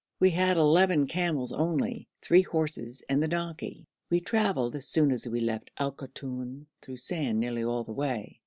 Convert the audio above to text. We had eleven camels only, three horses, and the donkey. We travelled, as soon as we left Al Koton, through sand nearly all the way.